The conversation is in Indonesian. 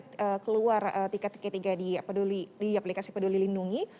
untuk keluar tiket ketiga di aplikasi peduli lindungi